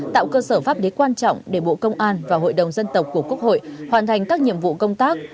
tạo cơ sở pháp lý quan trọng để bộ công an và hội đồng dân tộc của quốc hội hoàn thành các nhiệm vụ công tác